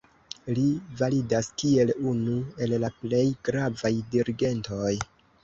Li validas kiel unu el la plej gravaj dirigentoj.